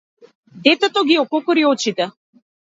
Детето ги ококори очите.